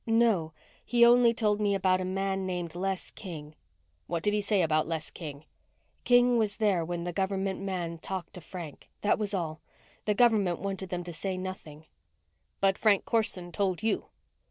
"No. He only told me about a man named Les King." "What did he say about Les King?" "King was there when the government man talked to Frank. That was all. The government wanted them to say nothing." "But Frank Corson told you."